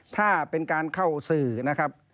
ถ้าเป็นการเข้าสื่อนะครับ